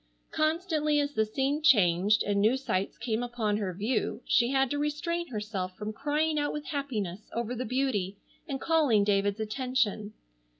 Constantly as the scene changed, and new sights came upon her view, she had to restrain herself from crying out with happiness over the beauty and calling David's attention.